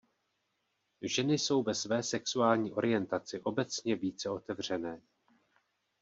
Ženy jsou ve své sexuální orientaci obecně více otevřené.